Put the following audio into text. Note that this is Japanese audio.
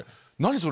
それ！